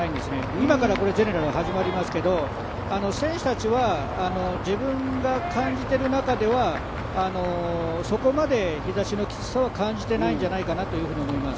今からゼネラルが始まりますけど、選手たちは自分が感じている中ではそこまで日差しのきつさは感じていないんじゃないかなと思います。